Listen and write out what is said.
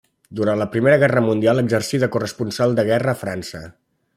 Durant la Primera Guerra Mundial exercí de corresponsal de guerra a França.